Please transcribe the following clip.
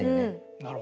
なるほど。